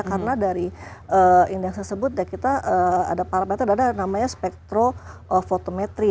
karena dari index tersebut kita ada parameter dan ada namanya spektrofotometri